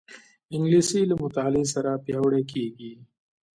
انګلیسي له مطالعې سره پیاوړې کېږي